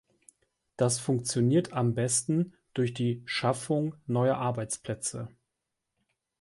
Das funktioniert am besten durch die Schaffung neuer Arbeitsplätze.